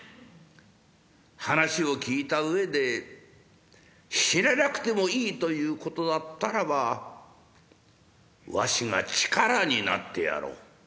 話を聞いた上で死ななくてもいいということだったらばわしが力になってやろう。